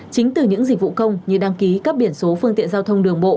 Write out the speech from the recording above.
chính từ những dịch vụ công như đăng ký cấp biển số phương tiện giao thông đường bộ